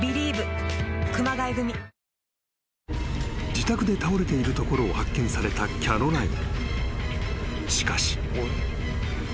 ［自宅で倒れているところを発見されたキャロライン］